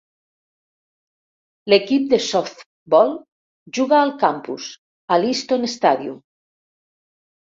L'equip de softbol juga al campus, a l'Easton Stadium.